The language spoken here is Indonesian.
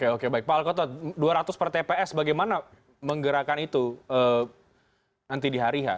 oke baik pak alkotot dua ratus per tps bagaimana menggerakkan itu nanti di hari h